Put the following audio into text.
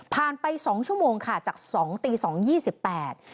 ผ่านไป๒ชั่วโมงค่ะจาก๒ตี๒ห้าสิบแปด